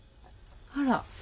あら。